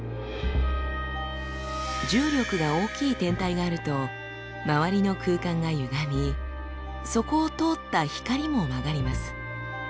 重力が大きい天体があると周りの空間がゆがみそこを通った光も曲がります。